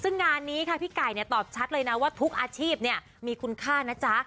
ซึ่งงานนี้ค่ะพี่ไก่ตอบชัดเลยนะว่าทุกอาชีพมีคุณค่านะจ๊ะ